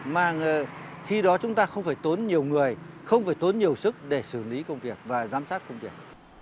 mà khi đó chúng ta không phải tốn nhiều người không phải tốn nhiều sức để xử lý công việc và giám sát công việc